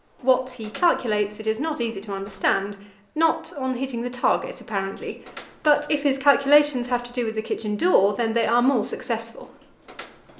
What he calculates it is not easy to understand. Not on hitting the target, apparently; but if his calculations have to do with the kitchen door, then they are more successful.